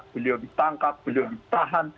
beliau ditangkap beliau ditahan